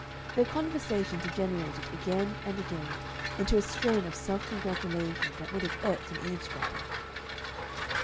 Their conversation degenerated again and again into a strain of self congratulation that would have irked an eavesdropper.